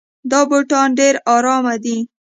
دا بوټان ډېر ارام دي.